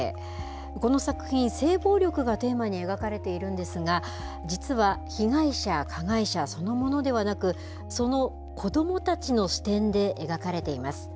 この作品、性暴力がテーマに描かれているんですが、実は被害者、加害者そのものではなく、その子どもたちの視点で描かれています。